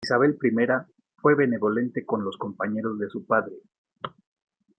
Isabel I fue benevolente con los compañeros de su padre.